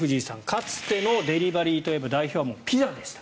かつてのデリバリーといえば代表はもうピザでした。